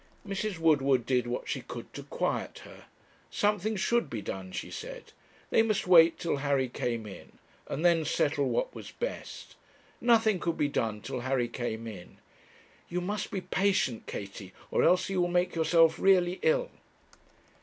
Mrs. Woodward did what she could to quiet her. Something should be done, she said. They must wait till Harry came in, and then settle what was best. Nothing could be done till Harry came in. 'You must be patient, Katie, or else you will make yourself really ill.'